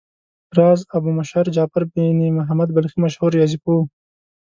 راز ابومعشر جعفر بن محمد بلخي مشهور ریاضي پوه و.